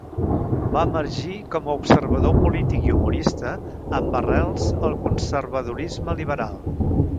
Va emergir com a observador polític i humorista amb arrels al conservadorisme liberal.